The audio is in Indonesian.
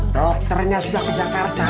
dokternya sudah ke jakarta